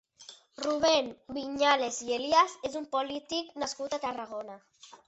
Rubén Viñuales i Elías és un polític nascut a Tarragona.